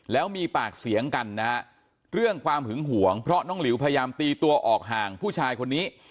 แล้วมีปากเสียงกันนะฮะเรื่องความหึงหวงเพราะน้องหลิวพยายามตีตัวออกห่างผู้ชายคนนี้